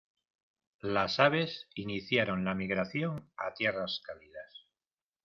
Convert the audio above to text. Las aves iniciaron la migración a tierras cálidas.